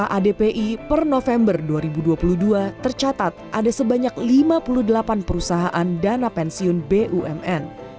kepala adpi per november dua ribu dua puluh dua tercatat ada sebanyak lima puluh delapan perusahaan dana pensiun bumn